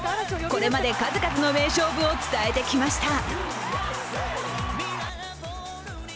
これまで数々の名勝負を伝えてきました。